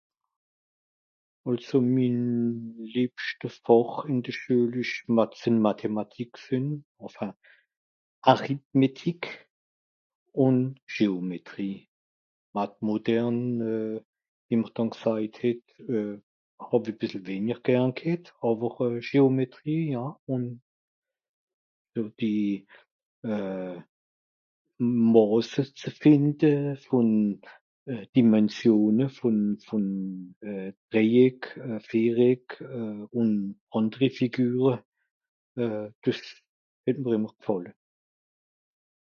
àlso mìn lebschts fàch ìn de schuel esch math esch mathématique gsìn enfin arithmétique ùn géometrie maths moderne euh wie mr dann g'seujt het euh hàwi à bìssel wenier gern g'hett àwer euh géometrie euh wie màsse zu fìnde ùn dimensionne vòn vòn euh drei eck euh vier eck euh ùn ànderi figure euh des het mr ìmmer g'fàlle